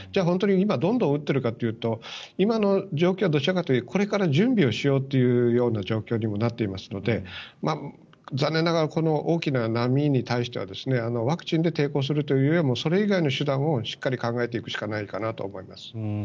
本当に今どんどん打っているかというと今の状況はどちらかというとこれから準備をしようという状況にもなっていますので残念ながら大きな波に対してはワクチンで抵抗するというよりはそれ以外の手段をしっかり考えていくしかないかなと思います。